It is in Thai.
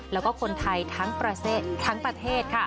แล้วคนไทยทั้งประเศษทั้งประเทศ